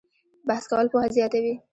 بحث کول پوهه زیاتوي؟